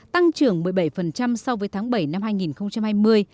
tăng trưởng một mươi bảy so với tháng bảy năm hai nghìn hai mươi